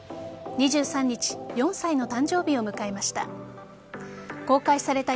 ２３日４歳の誕生日を迎えました。